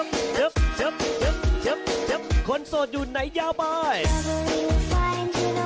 สนุกที่เราถูกทำให้คุณผู้ชมให้ประโยชน์ดี